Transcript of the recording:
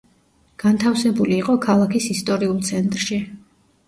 განთავსებული იყო ქალაქის ისტორიულ ცენტრში.